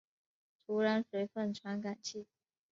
土壤水分传感器。